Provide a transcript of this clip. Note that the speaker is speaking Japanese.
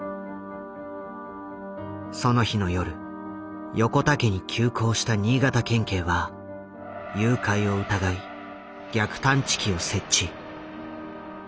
その日の夜横田家に急行した新潟県警は誘拐を疑い逆探知機を設置。